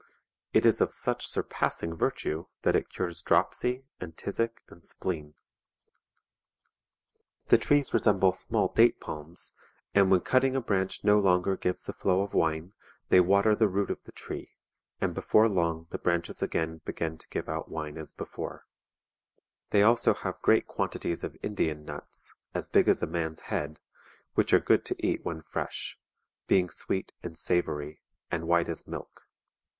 [It is of such sur passing virtue that it cures dropsy and tisick and spleen.] VOL. ir. R 236 MARCO POLO. Book III. The trees resemble small date palms ;... and when cut ting a branch no longer gives a flow of wine, they water the root of the tree, and before long the branches again begin to give out wine as before.' They have also great quantities of Indian nuts [as big as a man's head], which are good to eat when fresh; [being sweet and savoury, and white as milk.